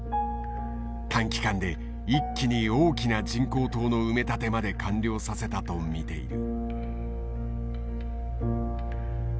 短期間で一気に大きな人工島の埋め立てまで完了させたと見ている。